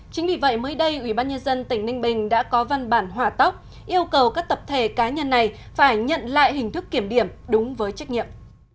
chính vì vậy mới đây ubnd tỉnh ninh bình đã có văn bản hỏa tốc yêu cầu các tập thể cá nhân này phải nhận lại hình thức kiểm điểm đúng với trách nhiệm